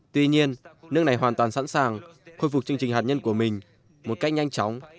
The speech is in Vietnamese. tuy nhiên nước này hoàn toàn sẵn sàng khôi phục chương trình hạt nhân của mình một cách nhanh chóng